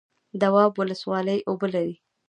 دواب ولسوالۍ اوبه لري؟